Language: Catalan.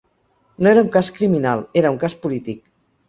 No era un cas criminal; era un cas polític.